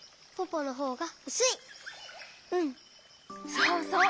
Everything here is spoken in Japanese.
そうそう！